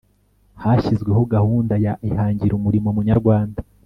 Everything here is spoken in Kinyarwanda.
hashyizweho gahunda ya ihangire umurimo munyarwanda